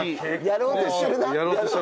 やろうとしてます。